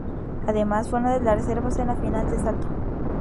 Además, fue una de las reservas en la final de salto.